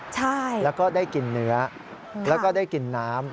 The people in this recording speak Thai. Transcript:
ใช่แล้วก็ได้กินเนื้อแล้วก็ได้กินน้ำ